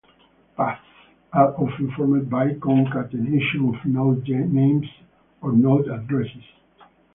"Paths" are often formed by concatenation of node names or node addresses.